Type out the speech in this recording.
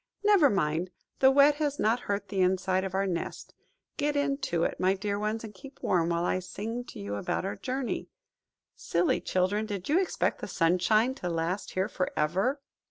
Never mind! the wet has not hurt the inside of our nest. Get into it, my dear ones, and keep warm, while I sing to you about our journey. Silly children, did you expect the sunshine to last here for ever?"